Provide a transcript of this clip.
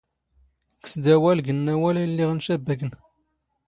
ⴽⴽⵙ ⴷ ⴰⵡⴰⵍ ⴳ ⵏⵏ ⴰⵡⴰⵍ ⴰⵢⵍⵍⵉⵖ ⵏⵛⴰⴱⴱⴰⴽⵏ.